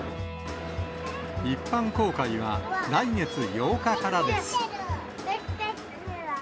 一般公開は来月８日からです。